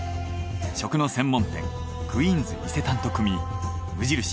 食の専門店クイーンズ伊勢丹と組み無印